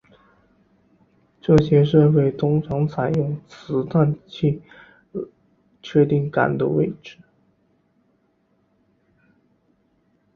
这些设备通常采用磁探测器确定杆的位置。